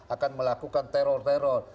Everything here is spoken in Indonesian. akan melakukan teror teror